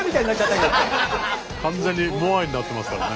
完全にモアイになってますからね。